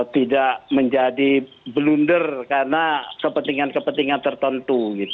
tidak menjadi blunder karena kepentingan kepentingan tertentu